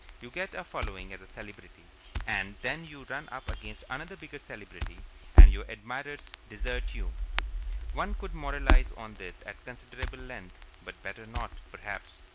You get a following as a celebrity, and then you run up against another bigger celebrity and your admirers desert you. One could moralize on this at considerable length, but better not, perhaps.